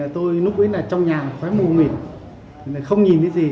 tôi núp ý là trong nhà khói mù mịt không nhìn cái gì